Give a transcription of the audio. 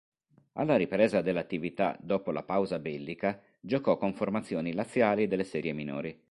Alla ripresa dell'attività dopo la pausa bellica giocò con formazioni laziali delle serie minori.